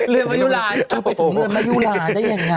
เรื่อนมยุลาถูกไปถึงเรื่องมยุลาได้อย่างไร